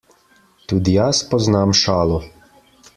Tudi jaz poznam šalo.